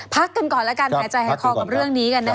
พักกันก่อนแล้วกันหายใจหายคอกับเรื่องนี้กันนะคะ